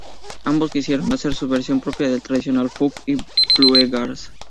Ambos quisieron hacer su versión propia de tradicional folk y bluegrass.